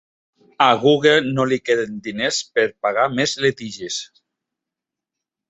A Google no li queden diners per pagar més litigis